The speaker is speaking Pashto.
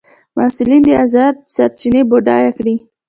محصلین دي ازادې سرچینې بډایه کړي.